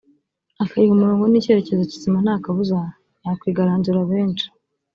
akayiha umurongo n’icyerekezo kizima nta kabuza yakwigaranzura benshi